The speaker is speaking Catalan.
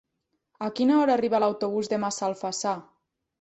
A quina hora arriba l'autobús de Massalfassar?